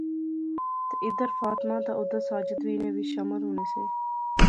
تہ ادھر فاطمہ تہ اُدھر ساجد وی انیں وچ شامل ہونے سے